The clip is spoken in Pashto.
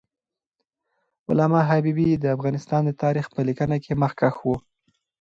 علامه حبیبي د افغانستان د تاریخ په لیکنه کې مخکښ و.